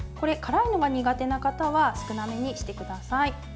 辛いのが苦手な方は少なめにしてください。